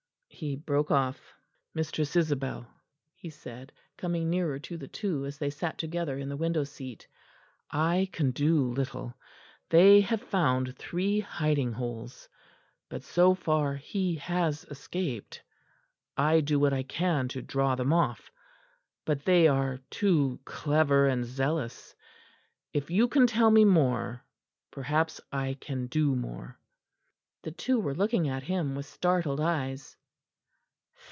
He broke off. "Mistress Isabel," he said, coming nearer to the two as they sat together in the window seat, "I can do little; they have found three hiding holes; but so far he has escaped. I do what I can to draw them off, but they are too clever and zealous. If you can tell me more, perhaps I can do more." The two were looking at him with startled eyes.